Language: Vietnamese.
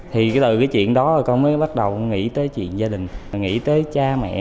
thì từ cái chuyện đó rồi con mới bắt đầu nghĩ tới chuyện gia đình nghĩ tới cha mẹ anh em